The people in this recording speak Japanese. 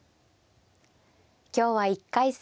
今日は１回戦